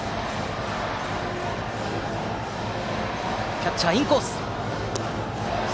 キャッチャー、インコース！